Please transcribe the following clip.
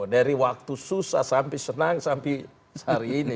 dari waktu susah sampai senang sampai hari ini